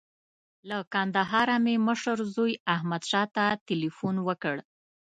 له کندهاره مې مشر زوی احمدشاه ته تیلفون وکړ.